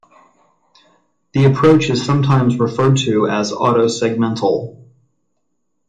The approach is sometimes referred to as Autosegmental.